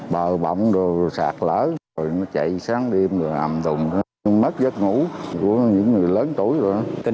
bờ bọng rồi sạc lỡ rồi nó chạy sáng đêm rồi ầm tùng mất giấc ngủ của những người lớn tuổi rồi